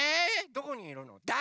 どこにいるの？